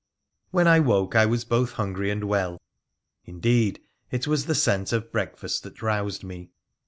When I woke I was both hungry and well. Indeed, it was the scent of breakfast that roused me.